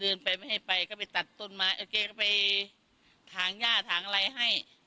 เดินไปไม่ให้ไปก็ไปตัดต้นมาโอเคก็ไปทางหญ้าทางอะไรให้